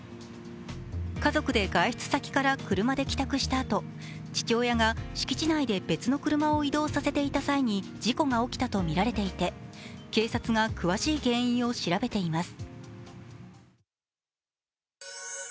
家族で外出先から車で帰宅したあと、父親が敷地内で別の車を移動させていた際に事故が起きたとみられていて警察が詳しい原因を調べています。